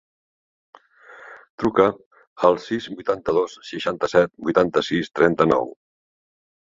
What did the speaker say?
Truca al sis, vuitanta-dos, seixanta-set, vuitanta-sis, trenta-nou.